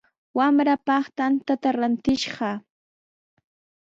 Wamraapaq tantata rantishqaa.